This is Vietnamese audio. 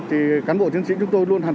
thì cán bộ chiến sĩ chúng tôi luôn hành động